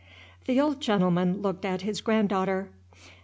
The old gentleman looked at his granddaughter.